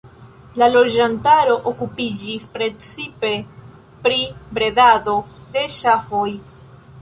La loĝantaro okupiĝis precipe pri bredado de ŝafoj.